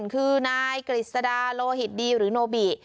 คือนายกฤษดาโลหิตดีหรือโนบิ